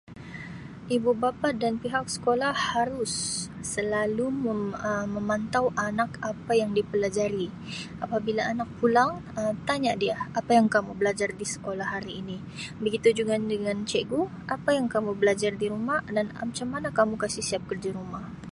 Ibu bapa dan pihak sekolah harus selalu mem-[Um] memantau anak apa yang dipelajari apabila anak pulang Um tanya dia apa yang kamu belajar di sekolah hari ini begitu juga dengan cikgu apa yang kamu belajar di rumah dan macam man kamu kasi siap kerja rumah.